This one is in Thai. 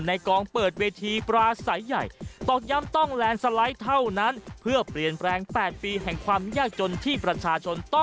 ในกองเปิดเวทีปลาสายใหญ่